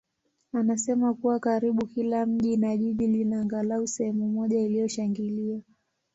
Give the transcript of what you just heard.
anasema kuwa karibu kila mji na jiji lina angalau sehemu moja iliyoshangiliwa.